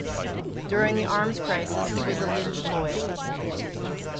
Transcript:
During the Arms Crisis he was a Lynch loyalist.